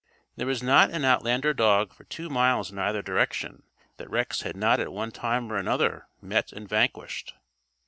There was not an outlander dog for two miles in either direction that Rex had not at one time or another met and vanquished.